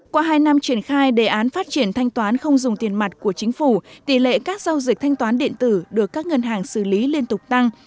qua hai năm triển khai đề án phát triển thanh toán không dùng tiền mặt của chính phủ tỷ lệ các giao dịch thanh toán điện tử được các ngân hàng xử lý liên tục tăng